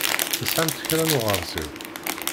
Tesɛamt kra n uɣeṛsiw?